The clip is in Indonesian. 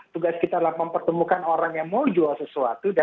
tugas kita adalah mempertemukan orang yang mungkin bisa kita pertimbangkan